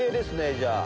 じゃあ。